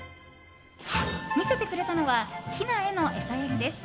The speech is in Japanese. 見せてくれたのはひなへの餌やりです。